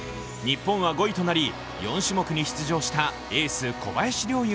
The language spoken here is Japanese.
日本は５位となり、４種目に出場したエース・小林陵